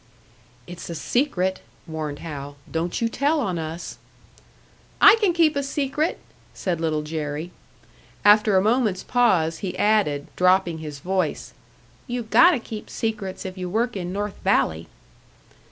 "It's a secret," warned Hal. "Don't you tell on us!" "I can keep a secret," said Little Jerry. After a moment's pause he added, dropping his voice, "You gotta keep secrets if you work in North Valley."